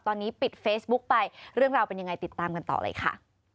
ตอนนี้ปิดเฟซบุ๊กไปเรื่องราวเป็นยังไงติดตามกันต่อเลยค่ะ